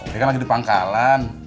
dia kan lagi di pangkalan